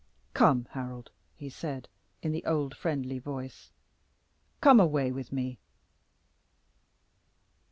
"Come, Harold," he said, in the old friendly voice, "come away with me."